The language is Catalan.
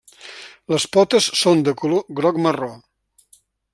Les potes són de color groc-marró.